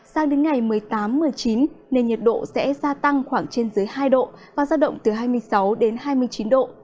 sang đến ngày một mươi tám một mươi chín nền nhiệt độ sẽ gia tăng khoảng trên dưới hai độ và giao động từ hai mươi sáu đến hai mươi chín độ